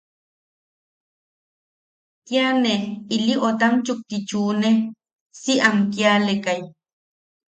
Kia ne ilí otam chukti chune, si am kialekai.